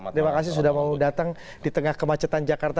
terima kasih sudah mau datang di tengah kemacetan jakarta